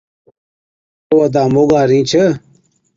او ادا موڳا رِينڇ۔